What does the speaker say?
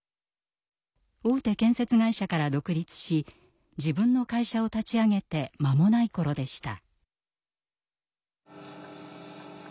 大手建設会社から独立し自分の会社を立ち上げて間もない頃でした。